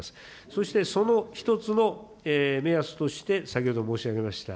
そして、その一つの目安として、先ほど申し上げました、